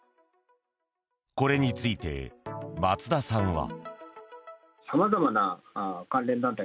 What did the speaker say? これについて、松田さんは。